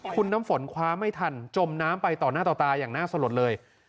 คุณน้ำฝนคว้าไม่ทันจมน้ำไปต่อหน้าต่อตาอย่างน่าสลดเลย